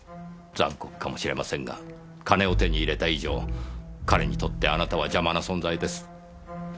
残酷かもしれませんが金を手に入れた以上彼にとってあなたは邪魔な存在です。